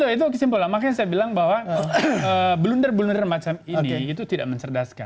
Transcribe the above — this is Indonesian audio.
ya itu kesimpulan makanya saya bilang bahwa blunder blunder macam ini itu tidak mencerdaskan